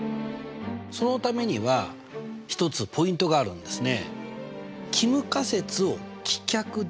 そのためには一つポイントがあるんですねえ。